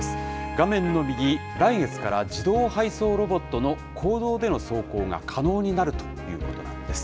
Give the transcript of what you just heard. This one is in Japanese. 画面の右、来月から自動配送ロボットの公道での走行が可能になるということなんです。